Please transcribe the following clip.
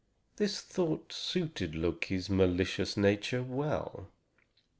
This thought suited Loki's malicious nature well.